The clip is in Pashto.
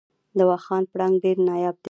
د واخان پړانګ ډیر نایاب دی